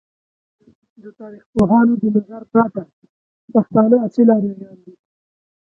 د تاریخ پوهانو د نظر پرته ، پښتانه اصیل آریایان دی!